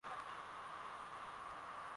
aliufanya utawala wa ufalme kuwa wa kisasa